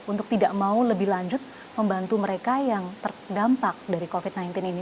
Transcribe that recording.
untuk tidak mau lebih lanjut membantu mereka yang terdampak dari covid sembilan belas ini